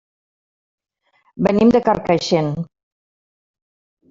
Venim de Carcaixent.